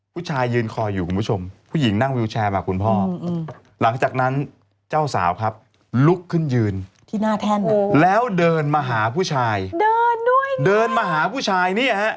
ผู้ชายยืนคอยอยู่คุณผู้ชมผู้หญิงนั่งวิวแชร์มาคุณพ่อหลังจากนั้นเจ้าสาวครับลุกขึ้นยืนแล้วเดินมาหาผู้ชายเดินมาหาผู้ชาย